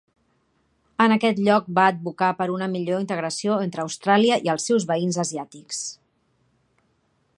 En aquest lloc, va advocar per una millor integració entre Austràlia i els seus veïns asiàtics.